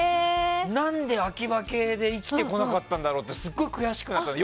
何で秋葉系で生きてこなかったんだろうってすごく悔しくなったの。